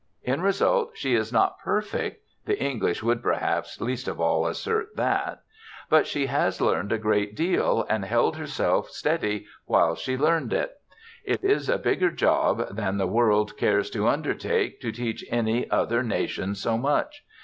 In result, she is not perfect the English would perhaps least of all assert that but she has learned a great deal and held herself steady while she learned it. It is a bigger job than the world cares to undertake to teach any other nation so much.